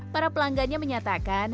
para pelanggannya menyatakan